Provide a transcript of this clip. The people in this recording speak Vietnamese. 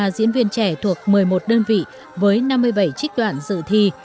ba mươi diễn viên trẻ thuộc một mươi một đơn vị với năm mươi bảy trích đoạn dự thi